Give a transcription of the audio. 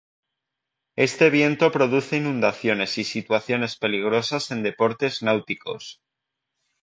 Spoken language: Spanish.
Este viento produce inundaciones y situaciones peligrosas en deportes náuticos.